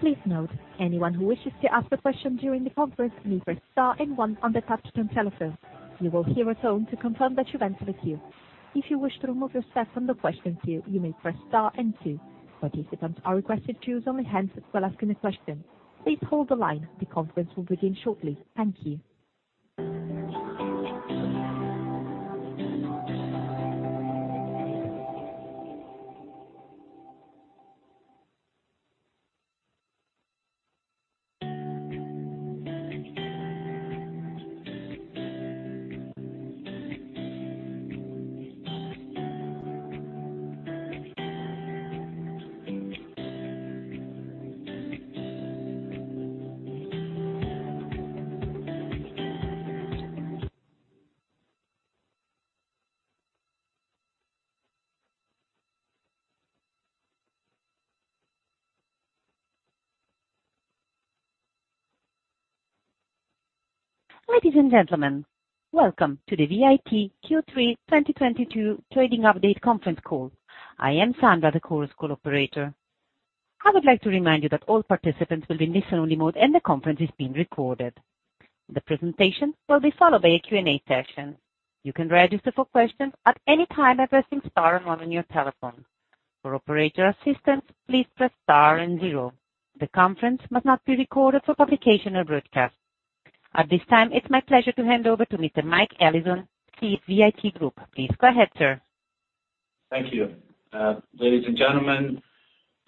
Please note, anyone who wishes to ask a question during the conference may press star and 1 on their touchtone telephone. You will hear a tone to confirm that you entered the queue. If you wish to remove yourself from the question queue, you may press star and 2. Participants are requested to use handset only while asking a question. Please hold the line. The conference will begin shortly. Thank you. Ladies and gentlemen, welcome to the VAT Q3 2022 trading update conference call. I am Sandra, the Chorus Call operator. I would like to remind you that all participants will be in listen-only mode, and the conference is being recorded. The presentation will be followed by a Q&A session. You can register for questions at any time by pressing star and 1 on your telephone. For operator assistance, please press star and 0. The conference must not be recorded for publication or broadcast. At this time, it's my pleasure to hand over to Mr. Mike Allison, CEO of VAT Group. Please go ahead, sir. Thank you. Ladies and gentlemen,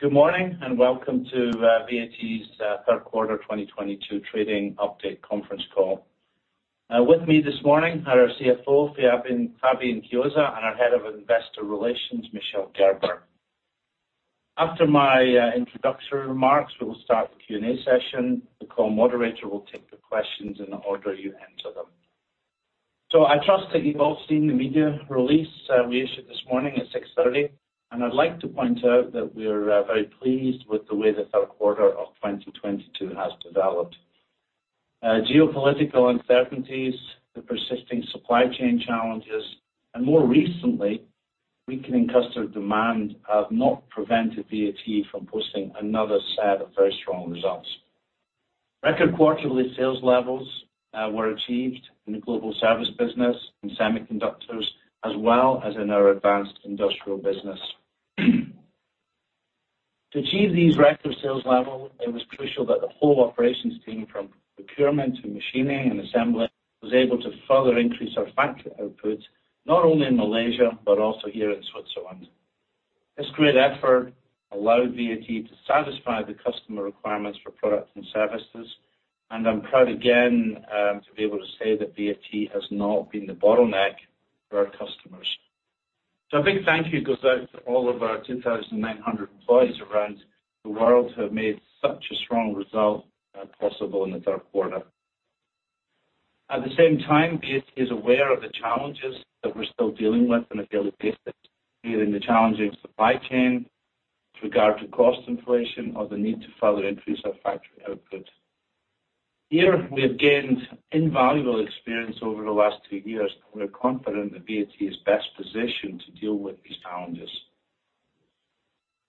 good morning and welcome to VAT's Third Quarter 2022 Trading Update Conference Call. With me this morning are our CFO, Fabian Chiozza, and our Head of Investor Relations, Michel Gerber. After my introductory remarks, we will start the Q&A session. The call moderator will take the questions in the order you enter them. I trust that you've all seen the media release we issued this morning at 6:30 A.M., and I'd like to point out that we're very pleased with the way the third quarter of 2022 has developed. Geopolitical uncertainties, the persisting supply chain challenges, and more recently, weakening customer demand have not prevented VAT from posting another set of very strong results. Record quarterly sales levels were achieved in the global service business in semiconductors as well as in our advanced industrial business. To achieve these record sales level, it was crucial that the whole operations team from procurement to machining and assembly was able to further increase our factory output, not only in Malaysia but also here in Switzerland. This great effort allowed VAT to satisfy the customer requirements for products and services, and I'm proud again to be able to say that VAT has not been the bottleneck for our customers. A big thank you goes out to all of our 2,900 employees around the world who have made such a strong result possible in the third quarter. At the same time, VAT is aware of the challenges that we're still dealing with on a daily basis, be it in the challenging supply chain with regard to cost inflation or the need to further increase our factory output. Here we have gained invaluable experience over the last two years. We're confident that VAT is best positioned to deal with these challenges.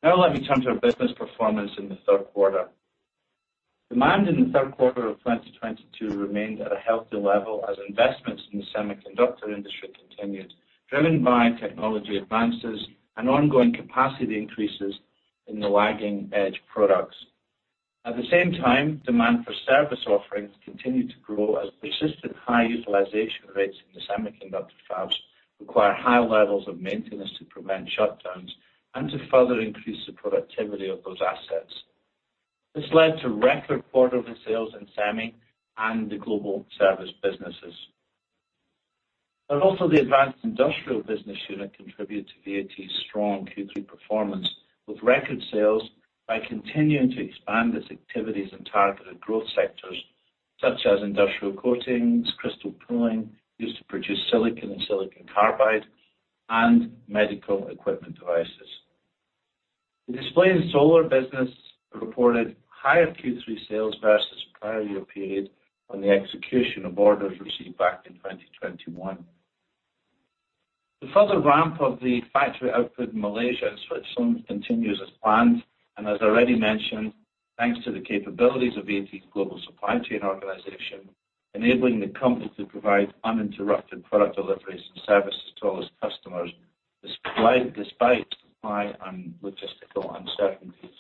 Now let me turn to our business performance in the third quarter. Demand in the third quarter of 2022 remained at a healthy level as investments in the semiconductor industry continued, driven by technology advances and ongoing capacity increases in the lagging edge products. At the same time, demand for service offerings continued to grow as persistent high utilization rates in the semiconductor fabs require high levels of maintenance to prevent shutdowns and to further increase the productivity of those assets. This led to record quarterly sales in semi and the global service businesses. Also the advanced industrial business unit contributed to VAT's strong Q3 performance with record sales by continuing to expand its activities in targeted growth sectors such as industrial coatings, crystal pulling used to produce silicon and silicon carbide, and medical equipment devices. The display and solar business reported higher Q3 sales versus prior year period on the execution of orders received back in 2021. The further ramp of the factory output in Malaysia and Switzerland continues as planned and as already mentioned, thanks to the capabilities of VAT's global supply chain organization, enabling the company to provide uninterrupted product deliveries and services to all its customers, despite supply and logistical uncertainties.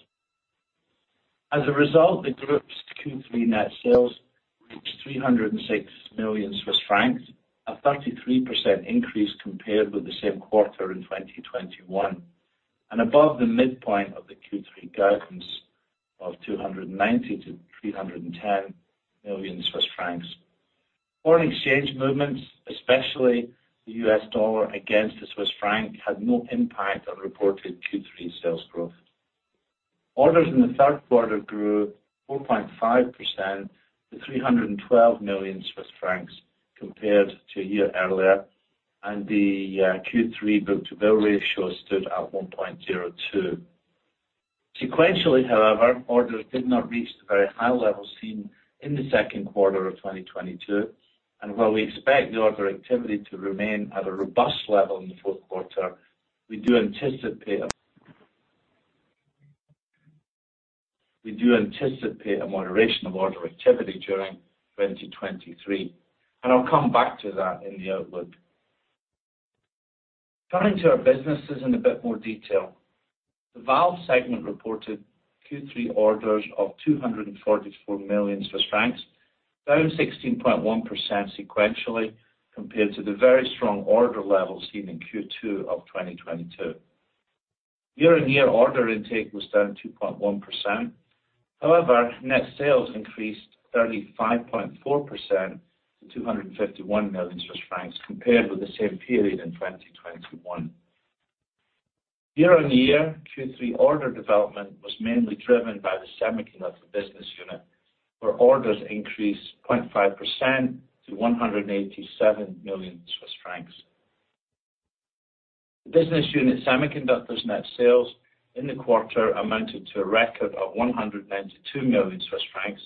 As a result, the group's Q3 net sales reached 306 million Swiss francs, a 33% increase compared with the same quarter in 2021, and above the midpoint of the Q3 guidance of 290 million-310 million Swiss francs. Foreign exchange movements, especially the US dollar against the Swiss franc, had no impact on reported Q3 sales growth. Orders in the third quarter grew 4.5% to 312 million Swiss francs compared to a year earlier, and the Q3 book-to-bill ratio stood at 1.02. Sequentially, however, orders did not reach the very high levels seen in the second quarter of 2022, and while we expect the order activity to remain at a robust level in the fourth quarter, we do anticipate. We do anticipate a moderation of order activity during 2023, and I'll come back to that in the outlook. Turning to our businesses in a bit more detail. The Valve segment reported Q3 orders of 244 million Swiss francs, down 16.1% sequentially compared to the very strong order levels seen in Q2 of 2022. Year-on-year order intake was down 2.1%. However, net sales increased 35.4% to 251 million Swiss francs compared with the same period in 2021. Year-on-year Q3 order development was mainly driven by the Semiconductor business unit, where orders increased 0.5% to 187 million Swiss francs. The business unit Semiconductors net sales in the quarter amounted to a record of 192 million Swiss francs,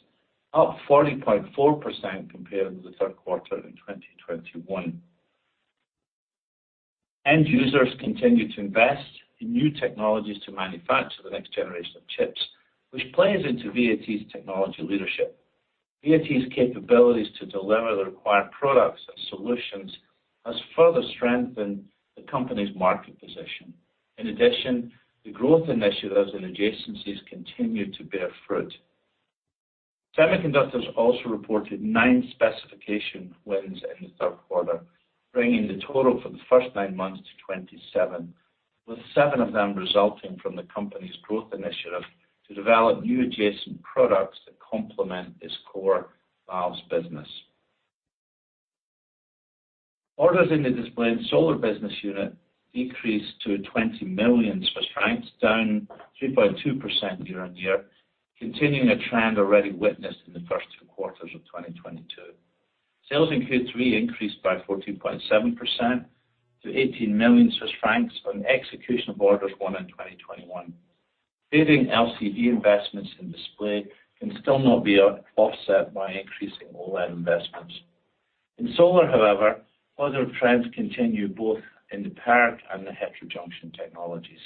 up 40.4% compared with the third quarter in 2021. End users continue to invest in new technologies to manufacture the next generation of chips, which plays into VAT's technology leadership. VAT's capabilities to deliver the required products and solutions has further strengthened the company's market position. In addition, the growth initiatives and adjacencies continue to bear fruit. Semiconductors also reported nine specification wins in the third quarter, bringing the total for the first nine months to 27, with seven of them resulting from the company's growth initiative to develop new adjacent products that complement its core valves business. Orders in the Display and Solar business unit decreased to 20 million Swiss francs, down 3.2% year-on-year, continuing a trend already witnessed in the first two quarters of 2022. Sales in Q3 increased by 14.7% to 18 million Swiss francs on execution of orders won in 2021. Fading LCD investments in Display can still not be offset by increasing OLED investments. In Solar, however, other trends continue both in the PERC and the heterojunction technologies.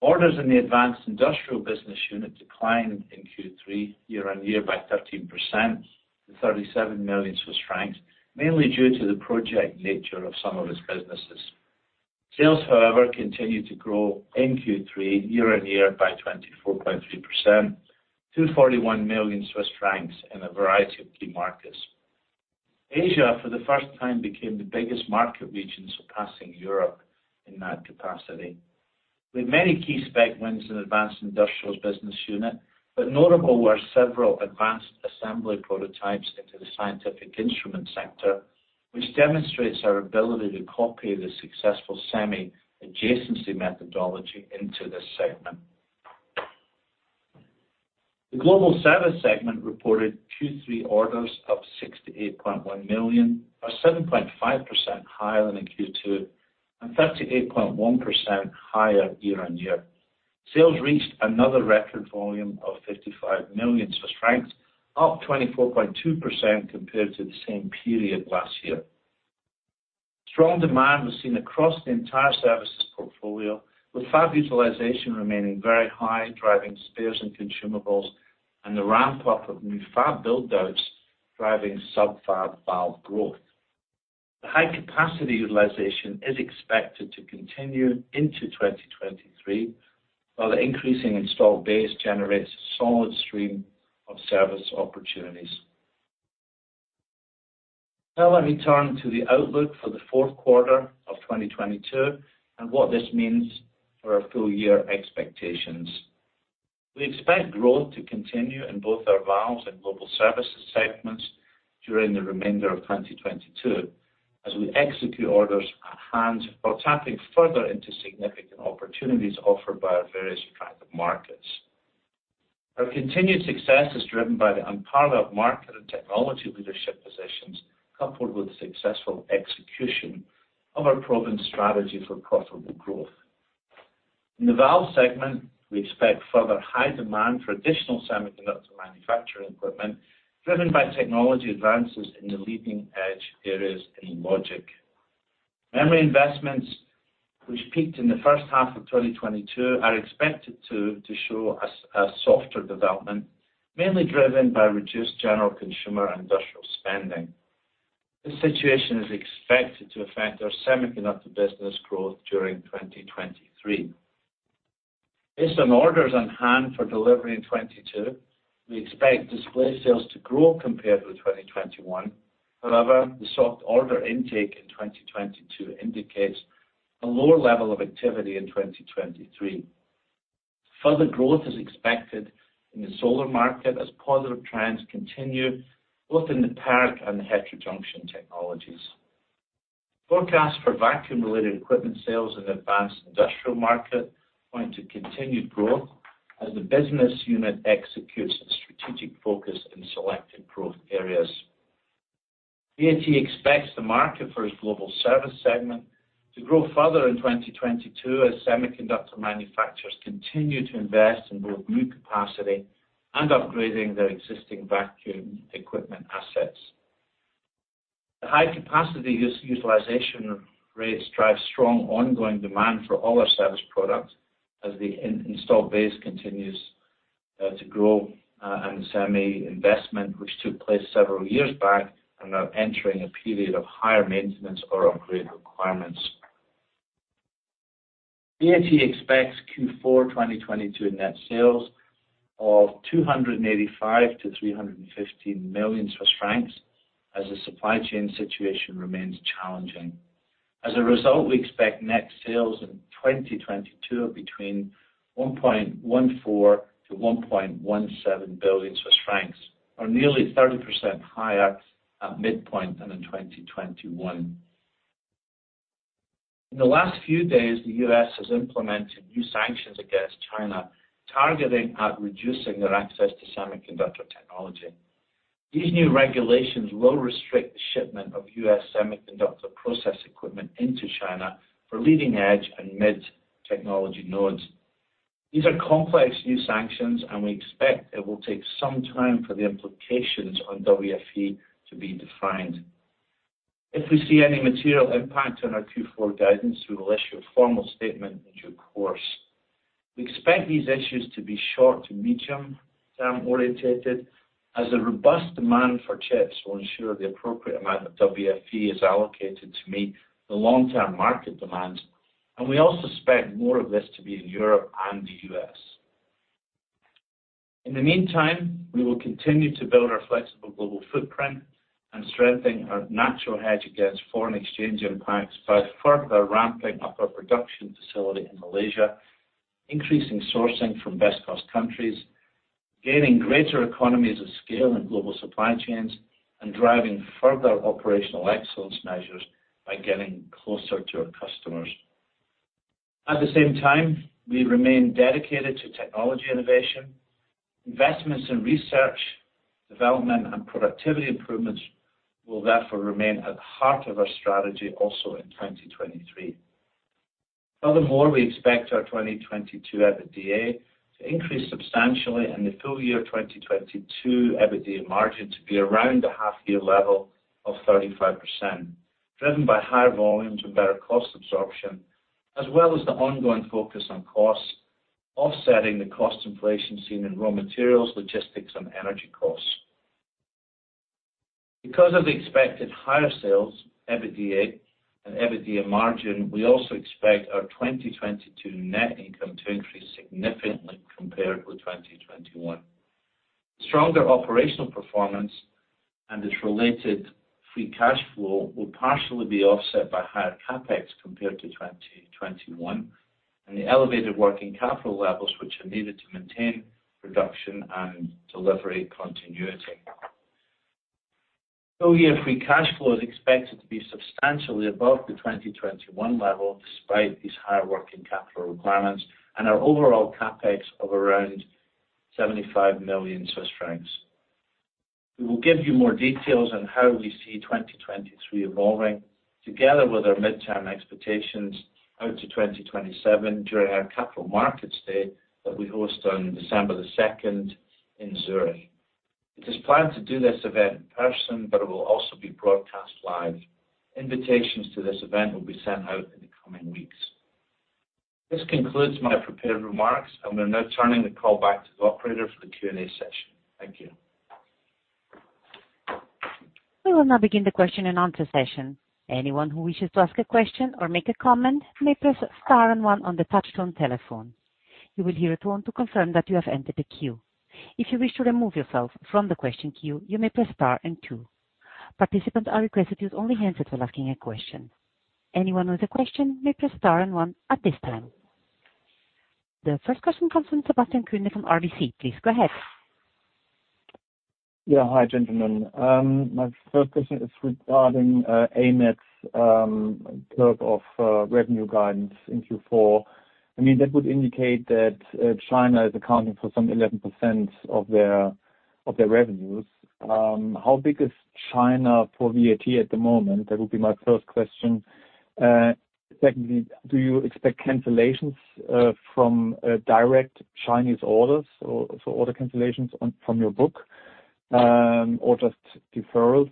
Orders in the Advanced Industrial business unit declined in Q3 year-on-year by 13% to 37 million, mainly due to the project nature of some of its businesses. Sales, however, continued to grow in Q3 year-on-year by 24.3% to 41 million Swiss francs in a variety of key markets. Asia, for the first time, became the biggest market region, surpassing Europe in that capacity. We had many key specification wins in Advanced Industrial business unit, but notable were several advanced assembly prototypes into the scientific instrument sector, which demonstrates our ability to copy the successful semi-adjacency methodology into this segment. The Global Service segment reported Q3 orders of 68.1 million, or 7.5% higher than in Q2, and 38.1% higher year-on-year. Sales reached another record volume of 55 million Swiss francs, up 24.2% compared to the same period last year. Strong demand was seen across the entire services portfolio, with fab utilization remaining very high, driving spares and consumables, and the ramp-up of new fab build-outs driving sub-fab valve growth. The high-capacity utilization is expected to continue into 2023, while the increasing installed base generates a solid stream of service opportunities. Now let me turn to the outlook for the fourth quarter of 2022 and what this means for our full-year expectations. We expect growth to continue in both our Valves and Global Services segments during the remainder of 2022 as we execute orders at hand while tapping further into significant opportunities offered by our various attractive markets. Our continued success is driven by the unparalleled market and technology leadership positions, coupled with the successful execution of our proven strategy for profitable growth. In the Valve segment, we expect further high demand for additional semiconductor manufacturing equipment driven by technology advances in the leading-edge areas in logic. Memory investments which peaked in the first half of 2022 are expected to show a softer development, mainly driven by reduced general consumer and industrial spending. This situation is expected to affect our Semiconductor business growth during 2023. Based on orders on hand for delivery in 2022, we expect Display sales to grow compared with 2021. However, the soft order intake in 2022 indicates a lower level of activity in 2023. Further growth is expected in the Solar market as positive trends continue both in the PERC and the heterojunction technologies. Forecast for vacuum-related equipment sales in Advanced Industrial market points to continued growth as the business unit executes its strategic focus in selected growth areas. VAT expects the market for its global service segment to grow further in 2022 as semiconductor manufacturers continue to invest in both new capacity and upgrading their existing vacuum equipment assets. The high capacity utilization rates drive strong ongoing demand for all our service products as the installed base continues to grow, and the semi investment, which took place several years back, are now entering a period of higher maintenance or upgrade requirements. VAT expects Q4 2022 net sales of 285 million-315 million Swiss francs as the supply chain situation remains challenging. As a result, we expect net sales in 2022 of between 1.14 billion-1.17 billion Swiss francs, or nearly 30% higher at midpoint than in 2021. In the last few days, the U.S. has implemented new sanctions against China, targeting at reducing their access to semiconductor technology. These new regulations will restrict the shipment of U.S. semiconductor process equipment into China for leading-edge and mid technology nodes. These are complex new sanctions, and we expect it will take some time for the implications on WFE to be defined. If we see any material impact on our Q4 guidance, we will issue a formal statement in due course. We expect these issues to be short- to medium-term oriented as the robust demand for chips will ensure the appropriate amount of WFE is allocated to meet the long-term market demand. We also expect more of this to be in Europe and the U.S. In the meantime, we will continue to build our flexible global footprint and strengthen our natural hedge against foreign exchange impacts by further ramping up our production facility in Malaysia, increasing sourcing from best-cost countries, gaining greater economies of scale in global supply chains, and driving further operational excellence measures by getting closer to our customers. At the same time, we remain dedicated to technology innovation. Investments in research, development, and productivity improvements will therefore remain at the heart of our strategy also in 2023. Furthermore, we expect our 2022 EBITDA to increase substantially and the full year 2022 EBITDA margin to be around the half year level of 35%, driven by higher volumes and better cost absorption, as well as the ongoing focus on costs, offsetting the cost inflation seen in raw materials, logistics, and energy costs. Because of the expected higher sales, EBITDA and EBITDA margin, we also expect our 2022 net income to increase significantly compared with 2021. Stronger operational performance and its related free cash flow will partially be offset by higher CapEx compared to 2021 and the elevated working capital levels which are needed to maintain production and delivery continuity. Full year free cash flow is expected to be substantially above the 2021 level despite these higher working capital requirements and our overall CapEx of around 75 million Swiss francs. We will give you more details on how we see 2023 evolving together with our midterm expectations out to 2027 during our Capital Markets Day that we host on December 2 in Zürich. It is planned to do this event in person, but it will also be broadcast live. Invitations to this event will be sent out in the coming weeks. This concludes my prepared remarks, and we're now turning the call back to the operator for the Q&A session. Thank you. We will now begin the question and answer session. Anyone who wishes to ask a question or make a comment may press star and one on the touchtone telephone. You will hear a tone to confirm that you have entered the queue. If you wish to remove yourself from the question queue, you may press star and two. Participants are requested to use only hands up for asking a question. Anyone with a question may press star and one at this time. The first question comes from Sebastian Kuenne from RBC. Please go ahead. Yeah. Hi, gentlemen. My first question is regarding AMAT's curve of revenue guidance in Q4. I mean, that would indicate that China is accounting for some 11% of their revenues. How big is China for VAT at the moment? That would be my first question. Secondly, do you expect cancellations from direct Chinese orders or order cancellations from your book or just deferrals?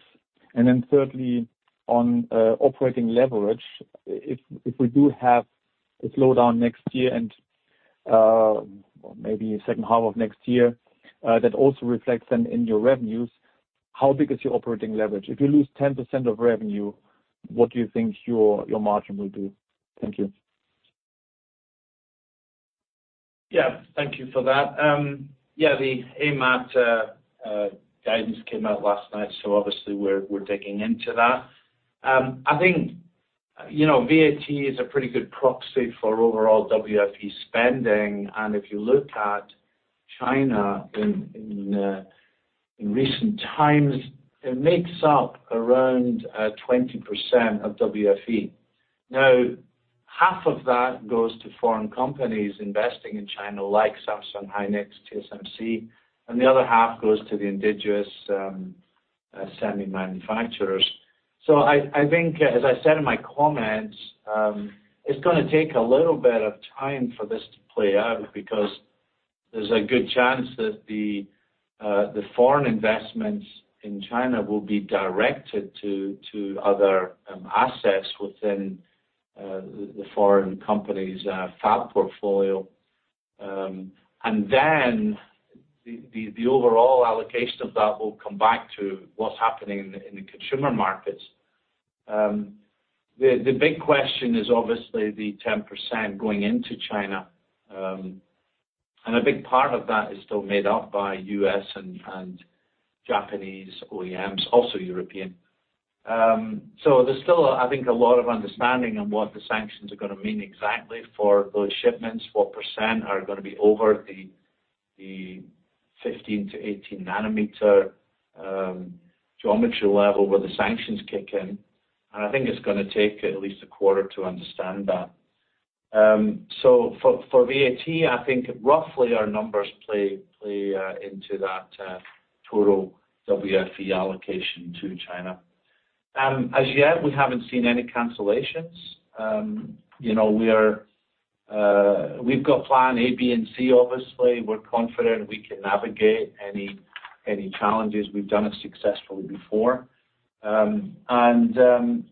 Thirdly, on operating leverage, if we do have a slowdown next year and or maybe second half of next year, that also reflects then in your revenues, how big is your operating leverage? If you lose 10% of revenue, what do you think your margin will do? Thank you. Yeah. Thank you for that. Yeah, the AMAT guidance came out last night, so obviously we're digging into that. I think, you know, VAT is a pretty good proxy for overall WFE spending. If you look at China in recent times, it makes up around 20% of WFE. Now, half of that goes to foreign companies investing in China, like Samsung, SK hynix, TSMC, and the other half goes to the indigenous semi manufacturers. I think, as I said in my comments, it's gonna take a little bit of time for this to play out because there's a good chance that the foreign investments in China will be directed to other assets within the foreign company's fab portfolio. The overall allocation of that will come back to what's happening in the consumer markets. The big question is obviously the 10% going into China. A big part of that is still made up by U.S. and Japanese OEMs, also European. There's still, I think, a lot of understanding on what the sanctions are gonna mean exactly for those shipments. What percent are gonna be over the 15-18 nanometer geometry level where the sanctions kick in. I think it's gonna take at least a quarter to understand that. For VAT, I think roughly our numbers play into that total WFE allocation to China. As yet, we haven't seen any cancellations. You know, we've got plan A, B, and C, obviously. We're confident we can navigate any challenges. We've done it successfully before. Cancellations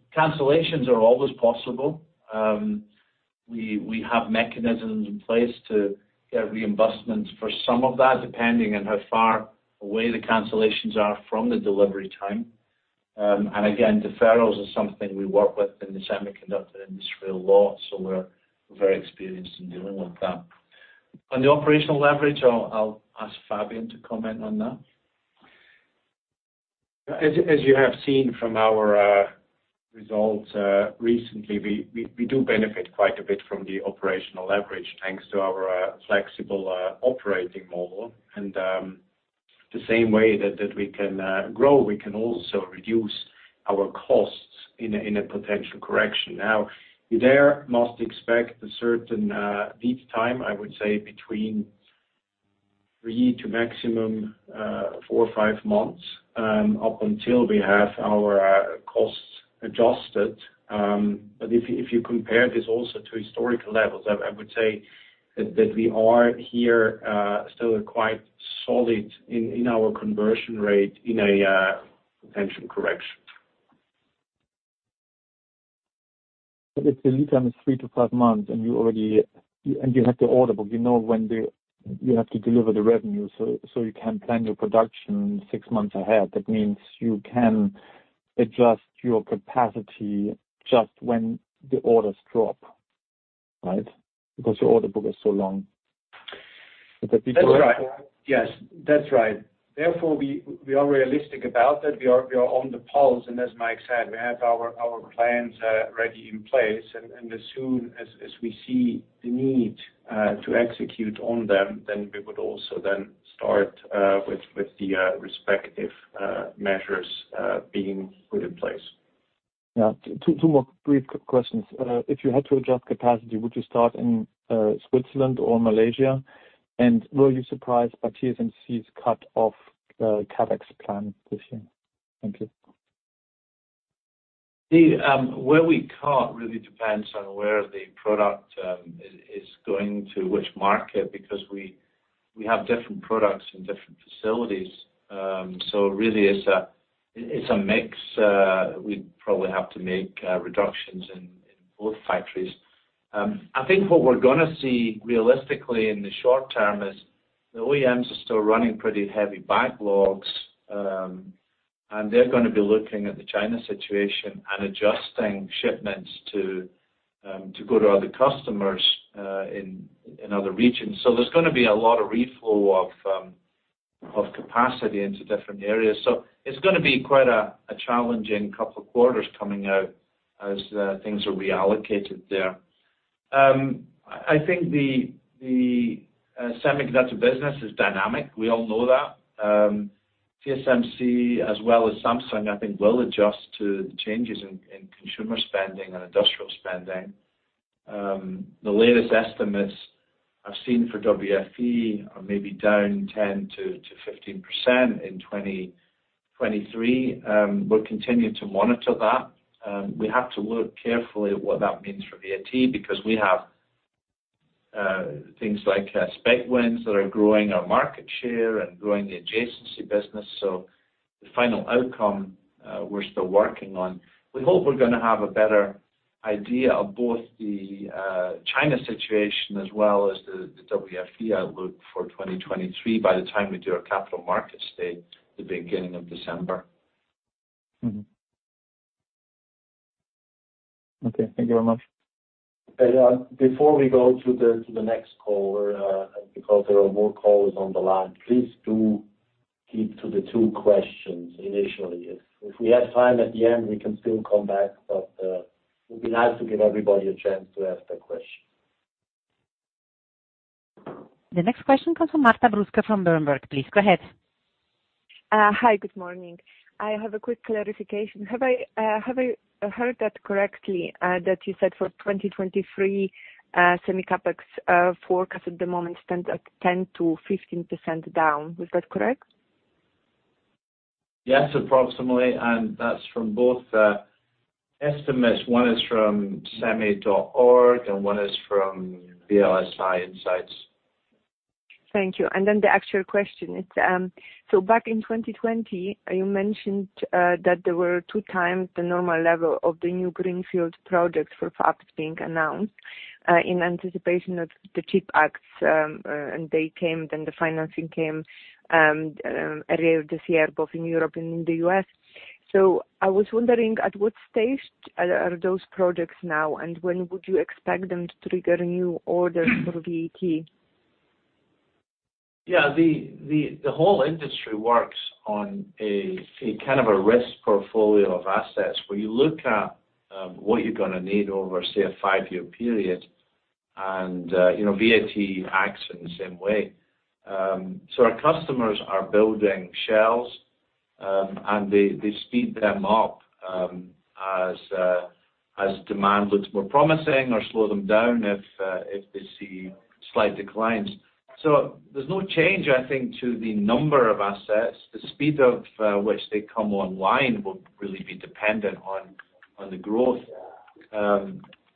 are always possible. We have mechanisms in place to get reimbursements for some of that, depending on how far away the cancellations are from the delivery time. Deferrals is something we work with in the semiconductor industry a lot, so we're very experienced in dealing with that. On the operational leverage, I'll ask Fabian to comment on that. As you have seen from our results recently, we do benefit quite a bit from the operational leverage, thanks to our flexible operating model. The same way that we can grow, we can also reduce our costs in a potential correction. Now, you must expect a certain lead time, I would say between 3 to maximum 4 or 5 months up until we have our costs adjusted. If you compare this also to historical levels, I would say that we are here still quite solid in our conversion rate in a potential correction. If the lead time is 3-5 months and you have the order book, you know when you have to deliver the revenue, so you can plan your production 6 months ahead. That means you can adjust your capacity just when the orders drop, right? Because your order book is so long. The people- That's right. Yes, that's right. Therefore, we are realistic about that. We are on the pulse. As Mike said, we have our plans ready in place. As soon as we see the need to execute on them, then we would also start with the respective measures being put in place. Yeah. Two more brief questions. If you had to adjust capacity, would you start in Switzerland or Malaysia? Were you surprised by TSMC's cut of the CapEx plan this year? Thank you. Where we cut really depends on where the product is going to which market, because we have different products in different facilities. Really it's a mix. We probably have to make reductions in both factories. I think what we're gonna see realistically in the short term is the OEMs are still running pretty heavy backlogs, and they're gonna be looking at the China situation and adjusting shipments to go to other customers in other regions. There's gonna be a lot of reflow of capacity into different areas. It's gonna be quite a challenging couple of quarters coming out as things are reallocated there. I think the semiconductor business is dynamic. We all know that. TSMC as well as Samsung, I think will adjust to the changes in consumer spending and industrial spending. The latest estimates I've seen for WFE are maybe down 10%-15% in 2023. We'll continue to monitor that. We have to look carefully at what that means for VAT, because we have things like specification wins that are growing our market share and growing the adjacency business. The final outcome, we're still working on. We hope we're gonna have a better idea of both the China situation as well as the WFE outlook for 2023 by the time we do our capital markets day at the beginning of December. Okay. Thank you very much. Before we go to the next caller, because there are more callers on the line, please do keep to the two questions initially. If we have time at the end, we can still come back. It'd be nice to give everybody a chance to ask their- The next question comes from Marta Bruska from Berenberg. Please go ahead. Hi, good morning. I have a quick clarification. Have I heard that correctly, that you said for 2023, semi CapEx forecast at the moment stands at 10%-15% down. Is that correct? Yes, approximately. That's from both estimates. One is from SEMI and one is from VLSI Research. Thank you. The actual question is, so back in 2020, you mentioned that there were two times the normal level of the new greenfield projects for fabs being announced, in anticipation of the CHIPS Act, and they came, then the financing came, earlier this year both in Europe and in the US. I was wondering at what stage are those projects now, and when would you expect them to trigger new orders for VAT? Yeah. The whole industry works on a kind of a risk portfolio of assets where you look at what you're gonna need over, say, a five-year period. You know, VAT acts in the same way. Our customers are building shells, and they speed them up as demand looks more promising or slow them down if they see slight declines. There's no change, I think, to the number of assets. The speed of which they come online will really be dependent on the growth.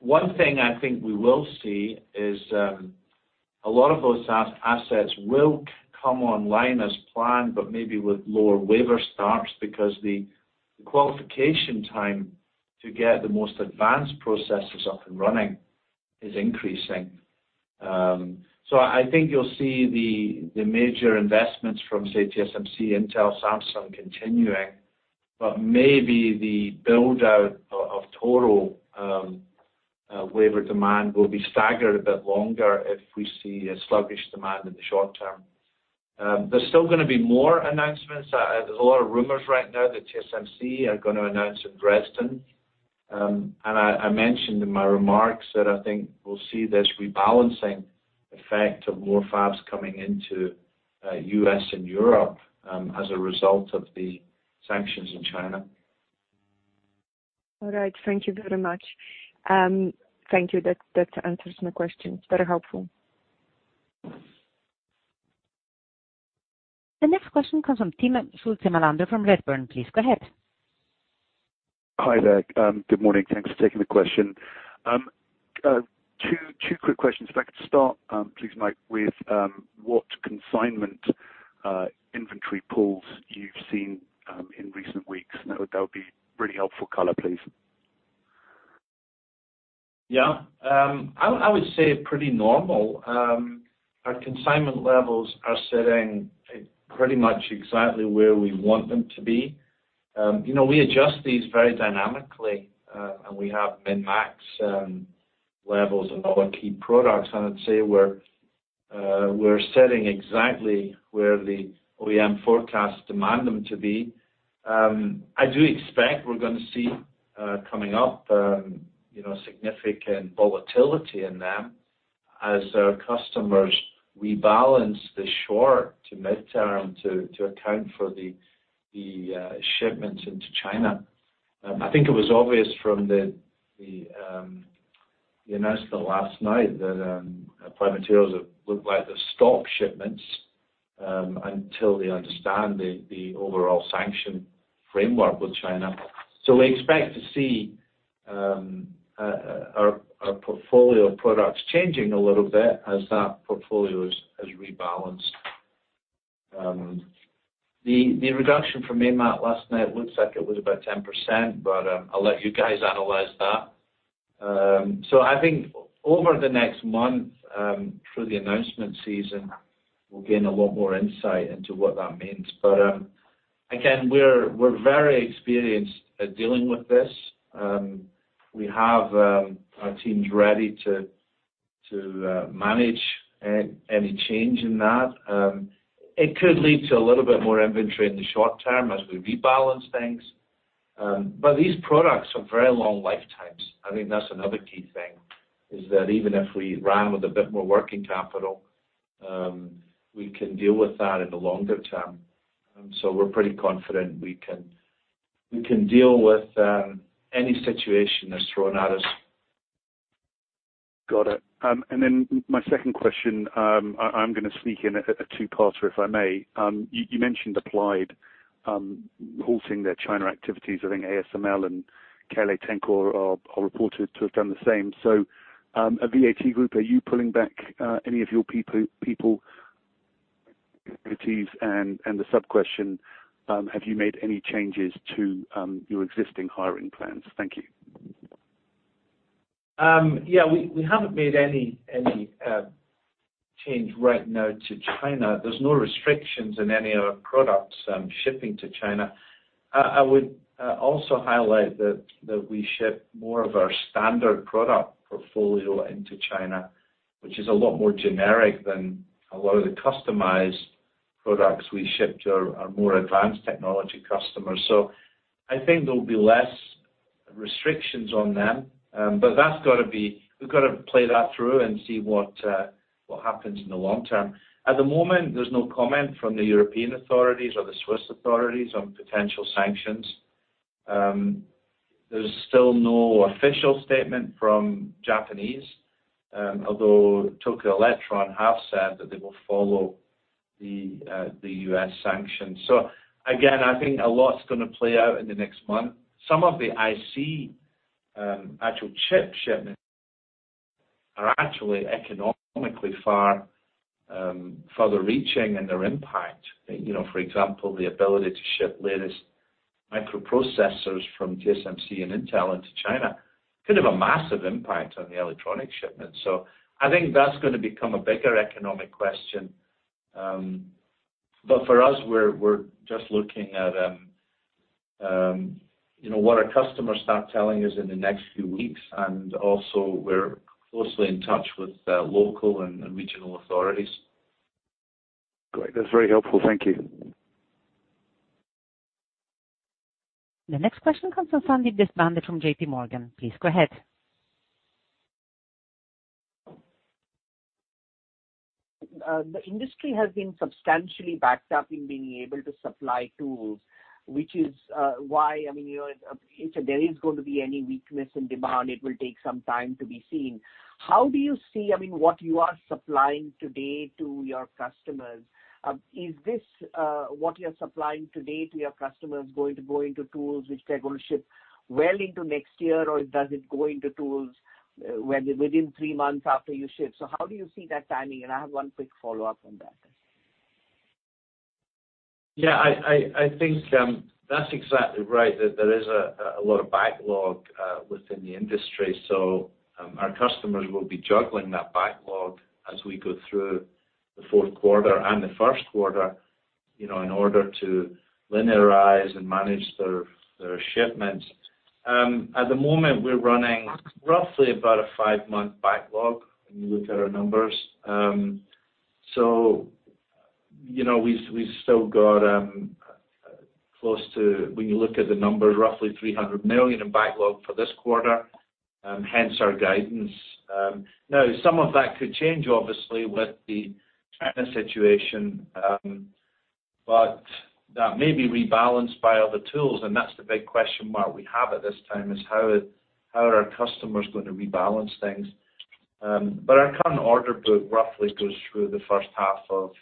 One thing I think we will see is a lot of those assets will come online as planned, but maybe with lower wafer starts because the qualification time to get the most advanced processes up and running is increasing. I think you'll see the major investments from, say, TSMC, Intel, Samsung continuing, but maybe the build-out of total wafer demand will be staggered a bit longer if we see a sluggish demand in the short term. There's still gonna be more announcements. There's a lot of rumors right now that TSMC are gonna announce in Dresden. I mentioned in my remarks that I think we'll see this rebalancing effect of more fabs coming into U.S. and Europe as a result of the sanctions in China. All right. Thank you very much. Thank you. That answers my question. Very helpful. The next question comes from Timm Schulze-Melander from Redburn. Please go ahead. Hi there. Good morning. Thanks for taking the question. Two quick questions. If I could start, please, Mike, with what consignment inventory pools you've seen in recent weeks. That would be really helpful color, please. Yeah. I would say pretty normal. Our consignment levels are sitting pretty much exactly where we want them to be. You know, we adjust these very dynamically, and we have min-max levels on our key products, and I'd say we're sitting exactly where the OEM forecasts demand them to be. I do expect we're gonna see coming up, you know, significant volatility in them as our customers rebalance the short to midterm to account for the shipments into China. I think it was obvious from the announcement last night that Applied Materials have looked like they've stopped shipments until they understand the overall sanction framework with China. We expect to see our portfolio of products changing a little bit as that portfolio is rebalanced. The reduction from AMAT last night looks like it was about 10%, but I'll let you guys analyze that. I think over the next month, through the announcement season, we'll gain a lot more insight into what that means. Again, we're very experienced at dealing with this. We have our teams ready to manage any change in that. It could lead to a little bit more inventory in the short term as we rebalance things. These products have very long lifetimes. I think that's another key thing, is that even if we ran with a bit more working capital, we can deal with that in the longer term. We're pretty confident we can deal with any situation that's thrown at us. Got it. My second question, I'm gonna sneak in a two-parter, if I may. You mentioned Applied Materials halting their China activities. I think ASML and KLA Corporation are reported to have done the same. At VAT Group, are you pulling back any of your people activities? The sub-question, have you made any changes to your existing hiring plans? Thank you. Yeah, we haven't made any change right now to China. There's no restrictions in any of our products shipping to China. I would also highlight that we ship more of our standard product portfolio into China, which is a lot more generic than a lot of the customized products we ship to our more advanced technology customers. I think there'll be less restrictions on them. That's gotta be. We've gotta play that through and see what happens in the long term. At the moment, there's no comment from the European authorities or the Swiss authorities on potential sanctions. There's still no official statement from the Japanese, although Tokyo Electron have said that they will follow the U.S. sanctions. Again, I think a lot's gonna play out in the next month. Some of the IC actual chip shipments are actually economically far-reaching in their impact. You know, for example, the ability to ship latest microprocessors from TSMC and Intel into China could have a massive impact on the electronics shipments. I think that's gonna become a bigger economic question. For us, we're just looking at, you know, what our customers start telling us in the next few weeks, and also we're closely in touch with local and regional authorities. Great. That's very helpful. Thank you. The next question comes from Sandeep Deshpande from J.P. Morgan. Please go ahead. The industry has been substantially backed up in being able to supply tools, which is why, I mean, you know, if there is going to be any weakness in demand, it will take some time to be seen. How do you see, I mean, what you are supplying today to your customers, is this what you're supplying today to your customers going to go into tools which they're gonna ship well into next year, or does it go into tools within three months after you ship? How do you see that timing? I have one quick follow-up on that. I think that's exactly right, that there is a lot of backlog within the industry. Our customers will be juggling that backlog as we go through the fourth quarter and the first quarter, you know, in order to linearize and manage their shipments. At the moment, we're running roughly about a five-month backlog when you look at our numbers. You know, we've still got close to, when you look at the numbers, roughly 300 million in backlog for this quarter, hence our guidance. Now some of that could change obviously with the China situation, but that may be rebalanced by other tools, and that's the big question mark we have at this time is how are our customers going to rebalance things. Our current order book roughly goes through the first half of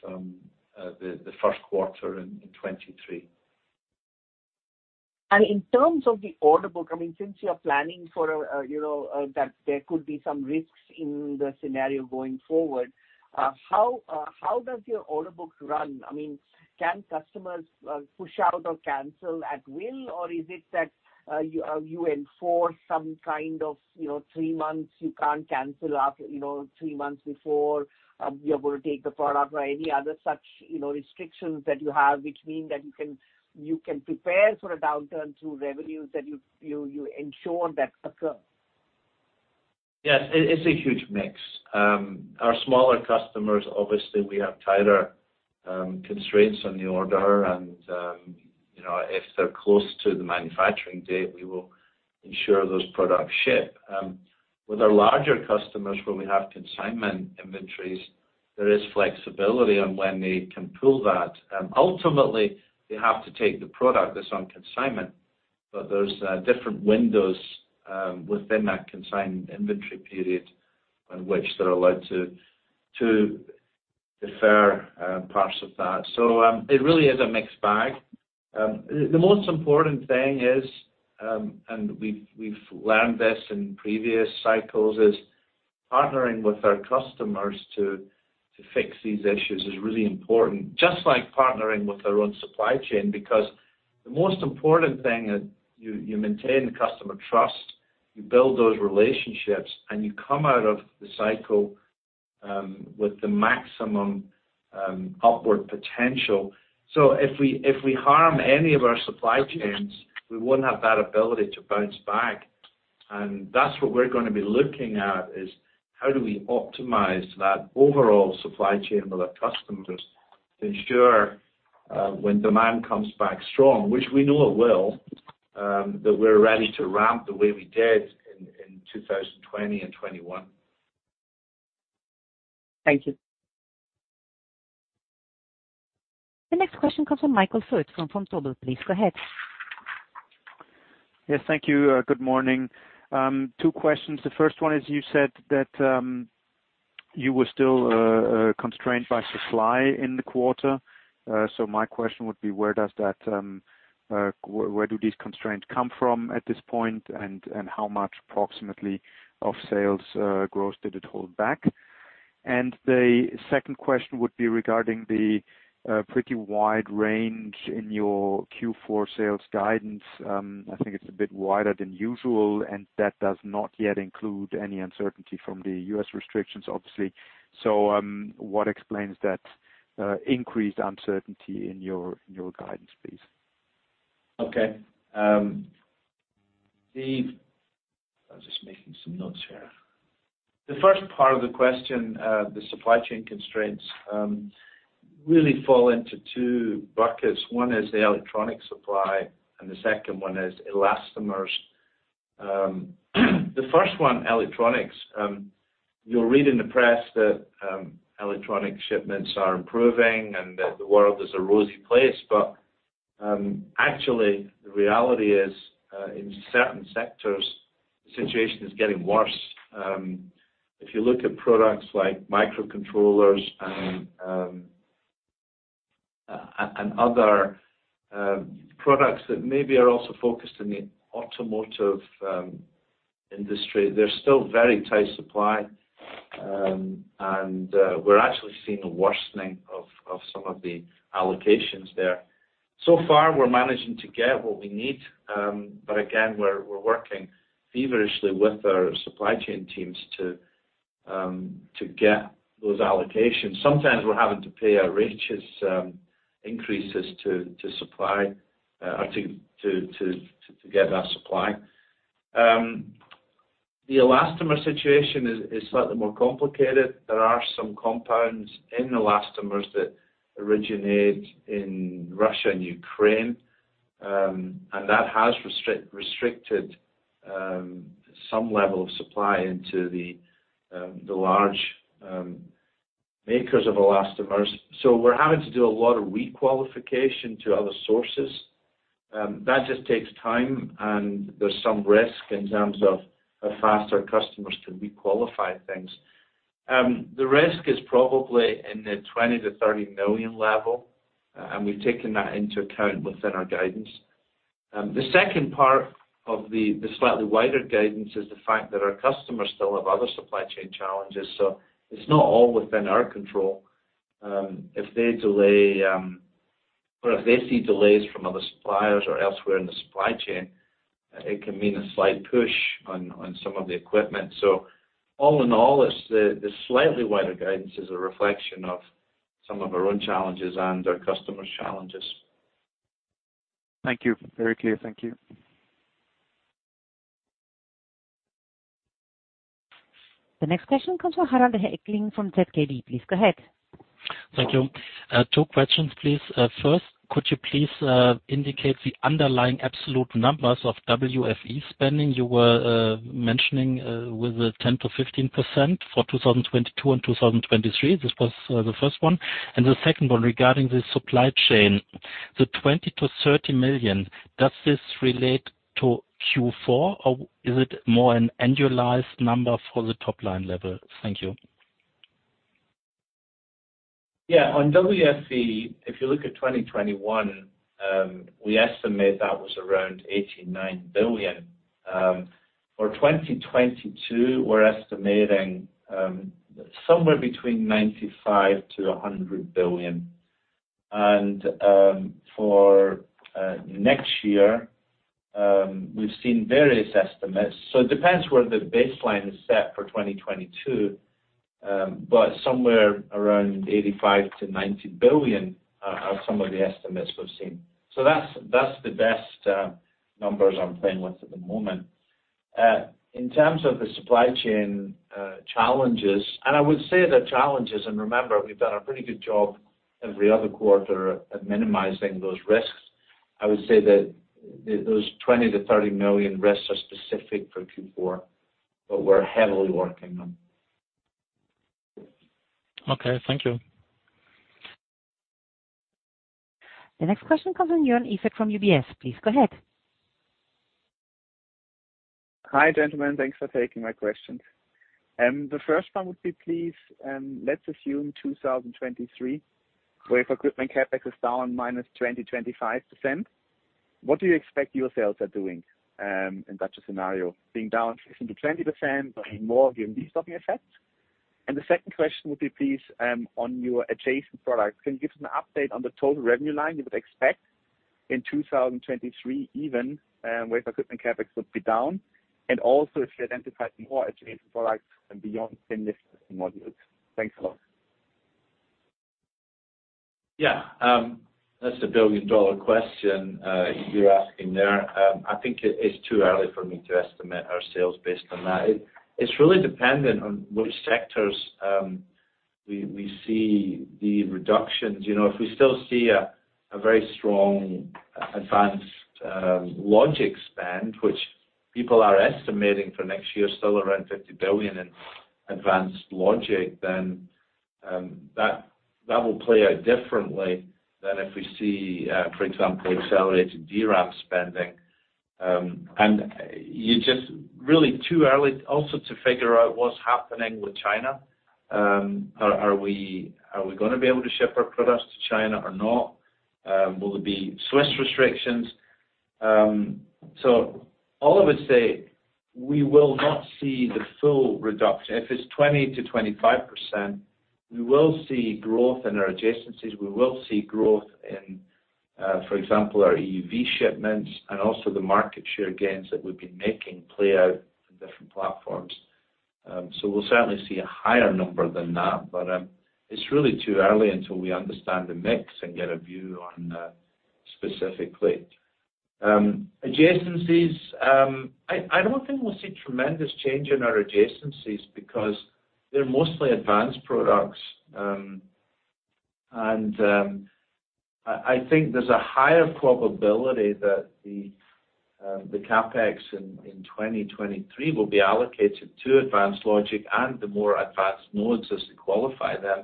the first quarter in 2023. In terms of the order book, I mean, since you're planning for a, you know, that there could be some risks in the scenario going forward, how does your order book run? I mean, can customers push out or cancel at will? Or is it that you enforce some kind of, you know, three months you can't cancel, you know, three months before you're able to take the product or any other such, you know, restrictions that you have, which mean that you can prepare for a downturn through revenues that you ensure that occur? Yes, it's a huge mix. Our smaller customers, obviously, we have tighter constraints on the order and, you know, if they're close to the manufacturing date, we will ensure those products ship. With our larger customers where we have consignment inventories, there is flexibility on when they can pull that. Ultimately, they have to take the product that's on consignment, but there's different windows within that consignment inventory period in which they're allowed to defer parts of that. It really is a mixed bag. The most important thing is, and we've learned this in previous cycles, is partnering with our customers to fix these issues is really important, just like partnering with our own supply chain. Because the most important thing is you maintain customer trust, you build those relationships, and you come out of the cycle with the maximum upward potential. If we harm any of our supply chains, we wouldn't have that ability to bounce back. That's what we're gonna be looking at, is how do we optimize that overall supply chain with our customers to ensure when demand comes back strong, which we know it will, that we're ready to ramp the way we did in 2020 and 2021. Thank you. The next question comes from Michael Foeth from Vontobel. Please go ahead. Yes, thank you. Good morning. Two questions. The first one is you said that you were still constrained by supply in the quarter. My question would be, where do these constraints come from at this point and how much approximately of sales growth did it hold back? The second question would be regarding the pretty wide range in your Q4 sales guidance. I think it's a bit wider than usual, and that does not yet include any uncertainty from the U.S. restrictions, obviously. What explains that increased uncertainty in your guidance, please? I was just making some notes here. The first part of the question, the supply chain constraints really fall into two buckets. One is the electronics supply, and the second one is elastomers. The first one, electronics, you'll read in the press that electronic shipments are improving and that the world is a rosy place. Actually, the reality is in certain sectors, the situation is getting worse. If you look at products like microcontrollers and other products that maybe are also focused in the automotive industry, they're still very tight supply. We're actually seeing a worsening of some of the allocations there. So far, we're managing to get what we need. But again, we're working feverishly with our supply chain teams to get those allocations. Sometimes we're having to pay outrageous increases to suppliers or to get that supply. The elastomer situation is slightly more complicated. There are some compounds in elastomers that originate in Russia and Ukraine, and that has restricted some level of supply into the large makers of elastomers. We're having to do a lot of requalification to other sources. That just takes time, and there's some risk in terms of how fast our customers can requalify things. The risk is probably in the 20 million-30 million level, and we've taken that into account within our guidance. The second part of the slightly wider guidance is the fact that our customers still have other supply chain challenges, so it's not all within our control. If they delay or if they see delays from other suppliers or elsewhere in the supply chain, it can mean a slight push on some of the equipment. All in all, the slightly wider guidance is a reflection of some of our own challenges and our customers' challenges. Thank you. Very clear. Thank you. The next question comes from Harald Eggeling from ZKB. Please go ahead. Thank you. Two questions, please. First, could you please indicate the underlying absolute numbers of WFE spending? You were mentioning with the 10%-15% for 2022 and 2023. This was the first one. The second one regarding the supply chain, the 20 million-30 million, does this relate to Q4, or is it more an annualized number for the top line level? Thank you. Yeah. On WFE, if you look at 2021, we estimate that was around $89 billion. For 2022, we're estimating somewhere between $95-$100 billion. For next year, we've seen various estimates, so it depends where the baseline is set for 2022, but somewhere around $85-$90 billion are some of the estimates we've seen. That's the best numbers I'm playing with at the moment. In terms of the supply chain challenges. I would say the challenges, and remember, we've done a pretty good job every other quarter at minimizing those risks. I would say that those 20-30 million risks are specific for Q4, but we're heavily working on. Okay, thank you. The next question comes in from Joern Iffert from UBS. Please go ahead. Hi, gentlemen. Thanks for taking my questions. The first one would be, please, let's assume 2023, where if equipment CapEx is down minus 20%-25%, what do you expect your sales are doing, in such a scenario, being down 15%-20% or more given these stocking effects? The second question would be, please, on your adjacent products. Can you give us an update on the total revenue line you would expect in 2023 even, where if equipment CapEx would be down? Also if you identified more adjacent products and beyond multi-valve modules. Thanks a lot. Yeah. That's a billion-dollar question you're asking there. I think it is too early for me to estimate our sales based on that. It's really dependent on which sectors we see the reductions. You know, if we still see a very strong advanced logic spend, which people are estimating for next year still around $50 billion in advanced logic, then that will play out differently than if we see, for example, accelerated DRAM spending. You're just really too early also to figure out what's happening with China. Are we gonna be able to ship our products to China or not? Will there be Swiss restrictions? All I would say, we will not see the full reduction. If it's 20%-25%, we will see growth in our adjacencies. We will see growth in, for example, our EUV shipments and also the market share gains that we've been making play out in different platforms. We'll certainly see a higher number than that, but it's really too early until we understand the mix and get a view on specifically. Adjacencies, I don't think we'll see tremendous change in our adjacencies because they're mostly advanced products. I think there's a higher probability that the CapEx in 2023 will be allocated to advanced logic and the more advanced nodes as we qualify them.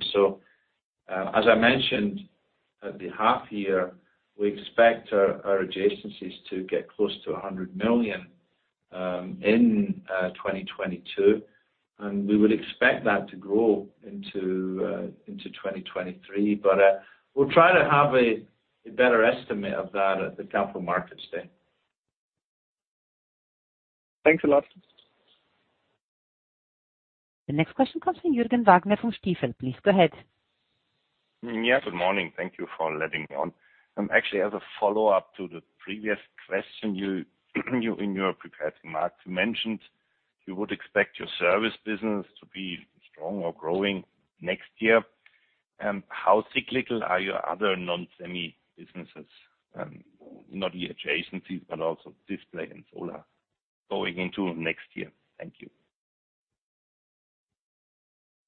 As I mentioned at the half year, we expect our adjacencies to get close to 100 million in 2022, and we would expect that to grow into 2023. We'll try to have a better estimate of that at the Capital Markets Day. Thanks a lot. The next question comes from Jürgen Wagner from Stifel. Please go ahead. Yeah. Good morning. Thank you for letting me on. Actually, as a follow-up to the previous question, in your prepared remarks, you mentioned you would expect your service business to be strong or growing next year. How cyclical are your other non-semi businesses, not the adjacencies, but also display and solar going into next year? Thank you.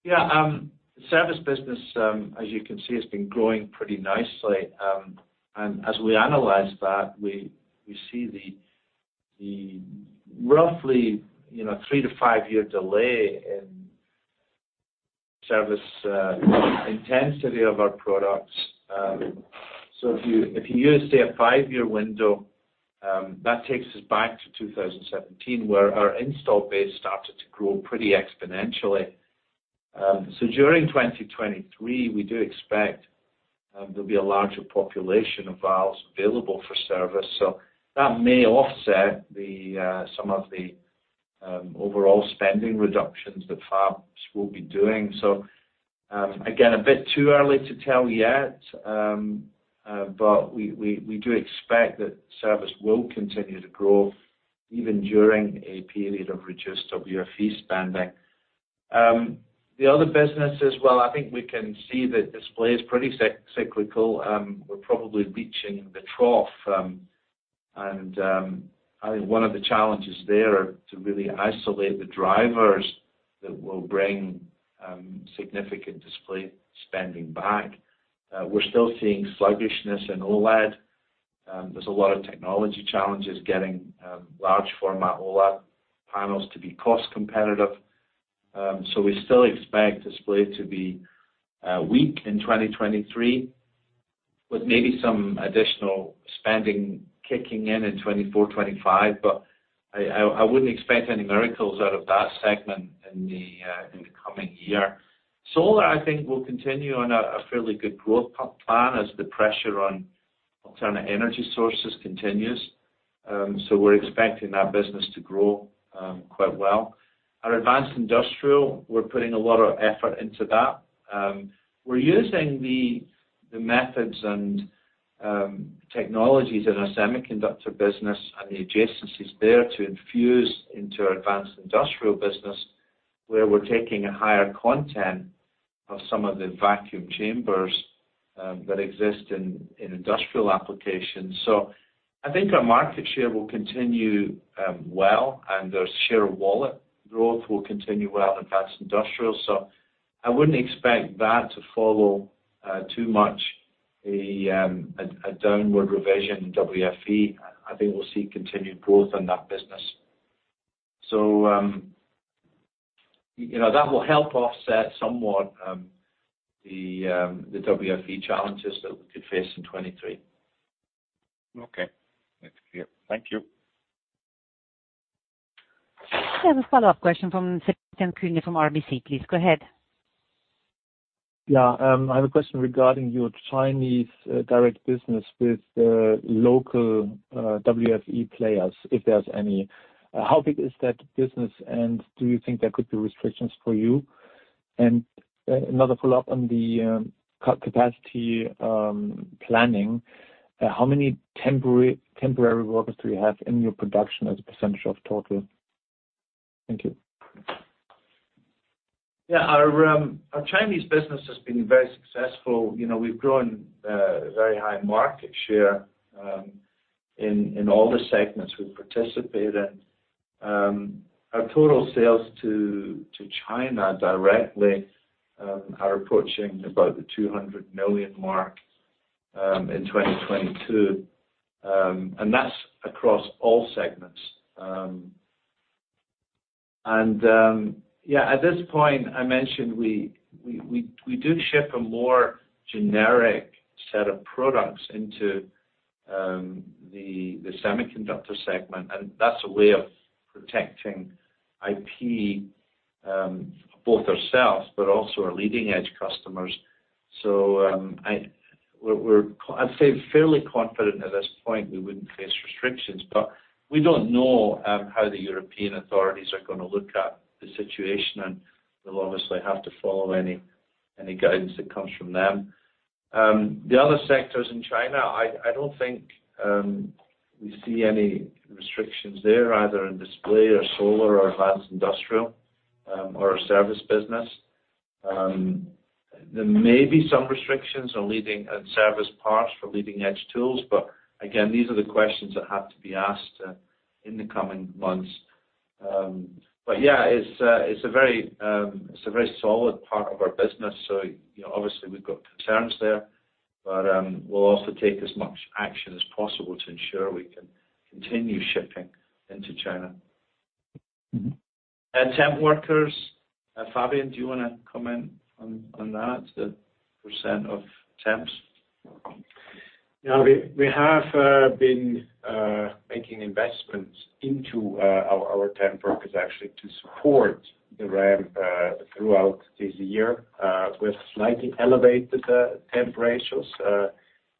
Yeah, service business, as you can see, has been growing pretty nicely. As we analyze that, we see the roughly, you know, 3-5-year delay in service intensity of our products. If you use, say, a 5-year window, that takes us back to 2017, where our installed base started to grow pretty exponentially. During 2023, we do expect there'll be a larger population of valves available for service. That may offset some of the overall spending reductions that fabs will be doing. Again, a bit too early to tell yet, but we do expect that service will continue to grow even during a period of reduced WFE spending. The other businesses, well, I think we can see that display is pretty cyclical. We're probably reaching the trough. I think one of the challenges there to really isolate the drivers that will bring significant display spending back. We're still seeing sluggishness in OLED. There's a lot of technology challenges getting large format OLED panels to be cost competitive. So we still expect display to be weak in 2023 with maybe some additional spending kicking in in 2024, 2025, but I wouldn't expect any miracles out of that segment in the coming year. Solar, I think, will continue on a fairly good growth plan as the pressure on alternate energy sources continues. So we're expecting that business to grow quite well. Our advanced industrial, we're putting a lot of effort into that. We're using the methods and technologies in our semiconductor business and the adjacencies there to infuse into our advanced industrial business, where we're taking a higher content of some of the vacuum chambers that exist in industrial applications. I think our market share will continue well, and our share wallet growth will continue well in advanced industrial. I wouldn't expect that to follow too much a downward revision in WFE. I think we'll see continued growth in that business. You know, that will help offset somewhat the WFE challenges that we could face in 2023. Okay. That's clear. Thank you. I have a follow-up question from RBC. Please go ahead. Yeah. I have a question regarding your Chinese direct business with local WFE players, if there's any. How big is that business, and do you think there could be restrictions for you? Another follow-up on the capacity planning. How many temporary workers do you have in your production as a percentage of total? Thank you. Yeah. Our Chinese business has been very successful. You know, we've grown very high market share in all the segments we participate in. Our total sales to China directly are approaching about the 200 million mark in 2022. And that's across all segments. And yeah, at this point, I mentioned we do ship a more generic set of products into the semiconductor segment, and that's a way of protecting IP both ourselves but also our leading-edge customers. We're quite confident at this point we wouldn't face restrictions, but we don't know how the European authorities are gonna look at the situation, and we'll obviously have to follow any guidance that comes from them. The other sectors in China, I don't think we see any restrictions there, either in display or solar or advanced industrial, or service business. There may be some restrictions on service parts for leading-edge tools. But again, these are the questions that have to be asked in the coming months. Yeah, it's a very solid part of our business. You know, obviously we've got concerns there, but we'll also take as much action as possible to ensure we can continue shipping into China. Mm-hmm. Temp workers, Fabian, do you wanna comment on that, the percent of temps? Yeah. We have been making investments into our temp workers actually to support the ramp throughout this year with slightly elevated temp ratios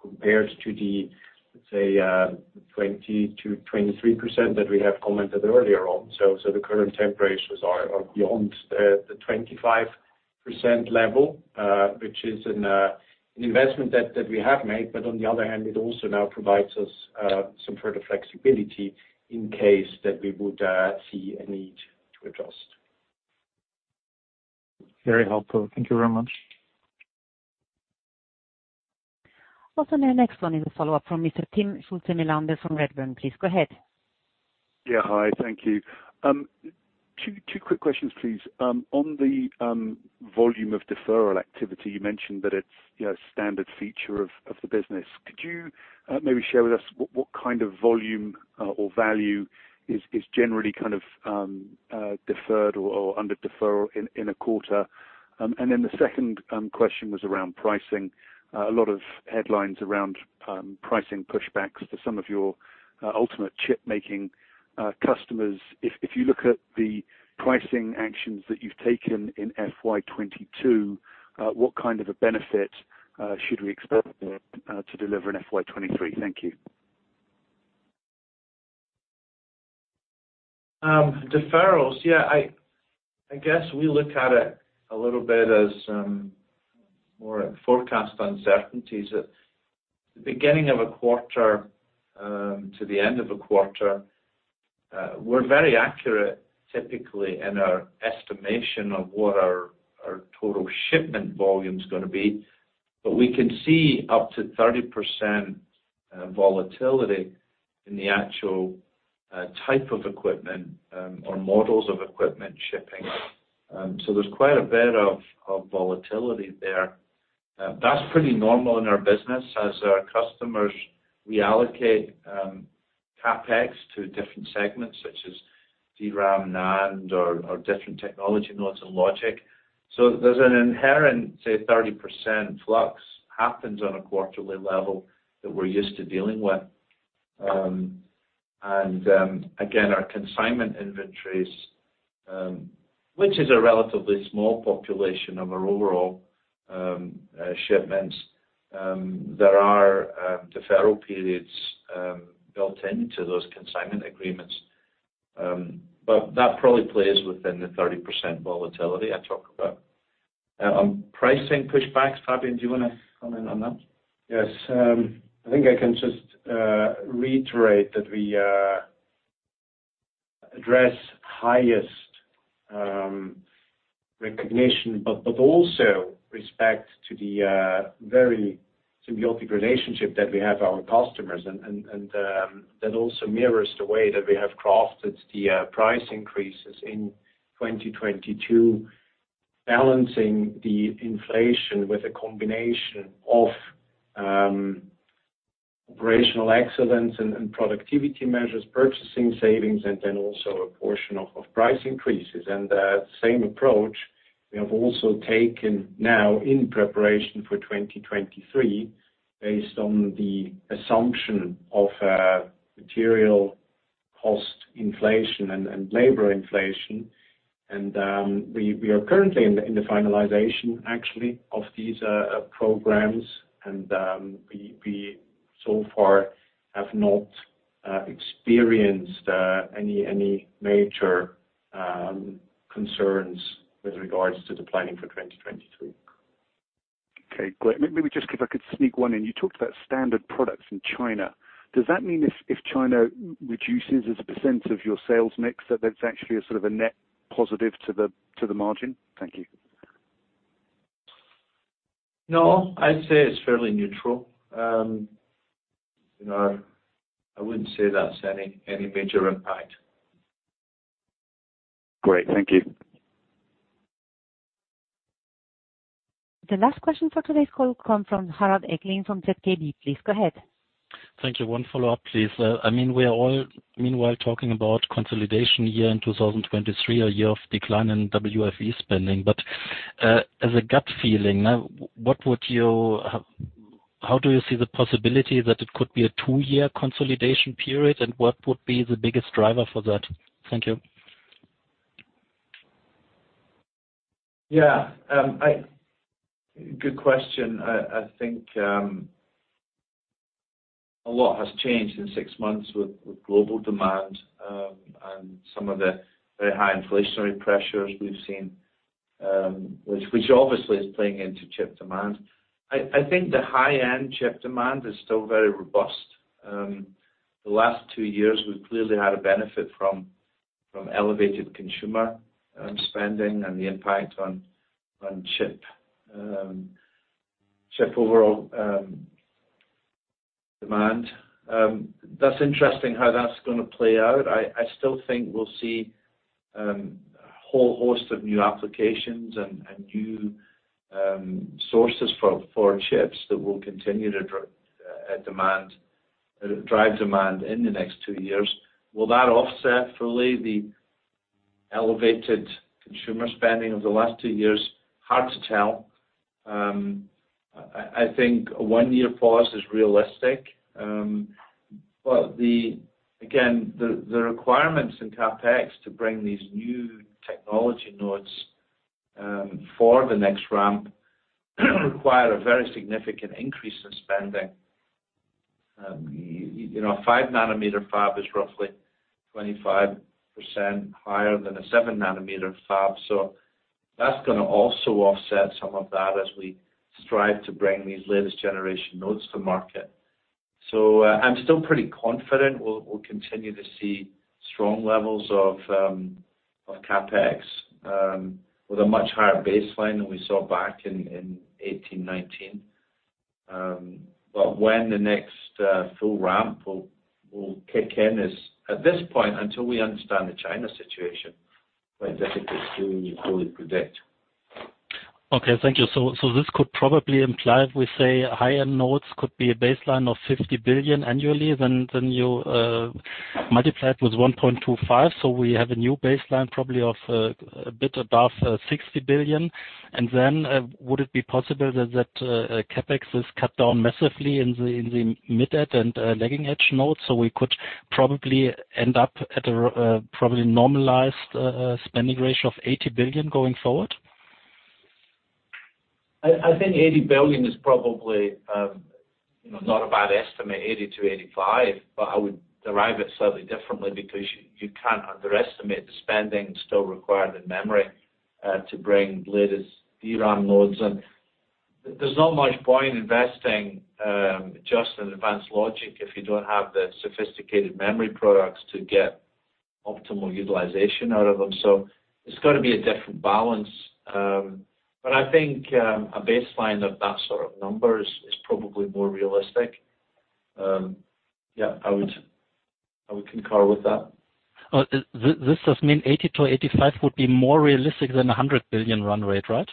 compared to the, say, 20%-23% that we have commented earlier on. The current temp ratios are beyond the 25% level, which is an investment that we have made. On the other hand, it also now provides us some further flexibility in case that we would see a need to adjust. Very helpful. Thank you very much. Operator, next one is a follow-up from Mr. Timm Schulze-Melander from Redburn. Please go ahead. Yeah. Hi, thank you. Two quick questions, please. On the volume of deferral activity, you mentioned that it's, you know, a standard feature of the business. Could you maybe share with us what kind of volume or value is generally kind of deferred or under deferral in a quarter? And then the second question was around pricing. A lot of headlines around pricing pushbacks to some of your ultimate chipmaking customers. If you look at the pricing actions that you've taken in FY 2022, what kind of a benefit should we expect to deliver in FY 2023? Thank you. Deferrals. I guess we look at it a little bit as more forecast uncertainties at the beginning of a quarter to the end of a quarter. We're very accurate typically in our estimation of what our total shipment volume's gonna be. But we can see up to 30% volatility in the actual type of equipment or models of equipment shipping. There's quite a bit of volatility there. That's pretty normal in our business as our customers reallocate CapEx to different segments such as DRAM, NAND or different technology nodes and logic. There's an inherent, say, 30% flux happens on a quarterly level that we're used to dealing with. Again, our consignment inventories, which is a relatively small population of our overall shipments, there are deferral periods built into those consignment agreements. That probably plays within the 30% volatility I talk about. On pricing pushbacks, Fabian, do you wanna comment on that? Yes. I think I can just reiterate that we address highest recognition, but also respect to the very symbiotic relationship that we have with our customers. That also mirrors the way that we have crafted the price increases in 2022, balancing the inflation with a combination of operational excellence and productivity measures, purchasing savings, and then also a portion of price increases. That same approach we have also taken now in preparation for 2023 based on the assumption of material cost inflation and labor inflation. We are currently in the finalization actually of these programs. We so far have not experienced any major concerns with regards to the planning for 2023. Okay, great. Let me just, if I could sneak one in. You talked about standard products in China. Does that mean if China reduces as a percent of your sales mix, that that's actually a sort of a net positive to the margin? Thank you. No, I'd say it's fairly neutral. You know, I wouldn't say that's any major impact. Great. Thank you. The last question for today's call comes from Harald Eggeling from ZKB. Please go ahead. Thank you. One follow-up, please. I mean, we are all meanwhile talking about consolidation year in 2023, a year of decline in WFE spending. As a gut feeling, how do you see the possibility that it could be a two-year consolidation period, and what would be the biggest driver for that? Thank you. Yeah. Good question. I think a lot has changed in six months with global demand and some of the very high inflationary pressures we've seen, which obviously is playing into chip demand. I think the high-end chip demand is still very robust. The last two years, we've clearly had a benefit from elevated consumer spending and the impact on chip overall demand. That's interesting how that's gonna play out. I still think we'll see a whole host of new applications and new sources for chips that will continue to drive demand in the next two years. Will that offset fully the elevated consumer spending of the last two years? Hard to tell. I think a one-year pause is realistic. Again, the requirements in CapEx to bring these new technology nodes for the next ramp require a very significant increase in spending. You know, a 5 nanometer fab is roughly 25% higher than a 7 nanometer fab. That's gonna also offset some of that as we strive to bring these latest generation nodes to market. I'm still pretty confident we'll continue to see strong levels of CapEx with a much higher baseline than we saw back in 2018, 2019. When the next full ramp will kick in is, at this point, until we understand the China situation, quite difficult to fully predict. Okay. Thank you. This could probably imply we say higher nodes could be a baseline of 50 billion annually than the new, multiplied with 1.25. We have a new baseline probably of a bit above 60 billion. Then, would it be possible that that CapEx is cut down massively in the mid edge and lagging edge nodes, so we could probably end up at a probably normalized spending ratio of 80 billion going forward? I think 80 billion is probably, you know, not a bad estimate, 80 billion-85 billion, but I would derive it slightly differently because you can't underestimate the spending still required in memory, to bring latest DRAM nodes in. There's not much point investing just in advanced logic if you don't have the sophisticated memory products to get optimal utilization out of them. It's gotta be a different balance. Yeah, I would concur with that. This does mean 80 billion-85 billion would be more realistic than a 100 billion run rate, right?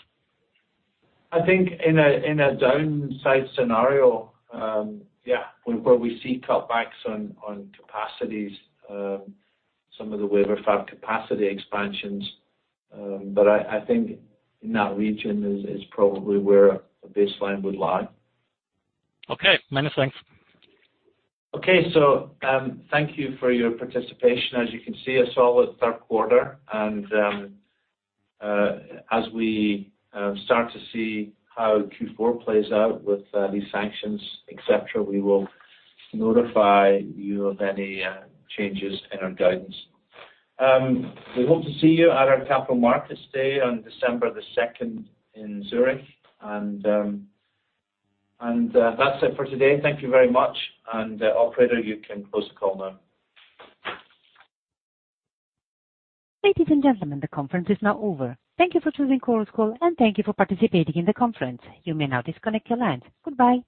I think in a downside scenario, where we see cutbacks on capacities, some of the wafer fab capacity expansions. I think in that region is probably where a baseline would lie. Okay. Many thanks. Okay. Thank you for your participation. As you can see, a solid third quarter and as we start to see how Q4 plays out with these sanctions, et cetera, we will notify you of any changes in our guidance. We hope to see you at our Capital Markets Day on December the second in Zurich. That's it for today. Thank you very much. Operator, you can close the call now. Ladies and gentlemen, the conference is now over. Thank you for choosing Chorus Call and thank you for participating in the conference. You may now disconnect your lines. Goodbye.